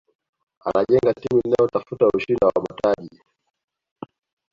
anajenga timu inayotafuta ushinda wa mataji